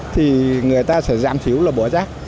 thì người ta sẽ giảm thiếu là bỏ rác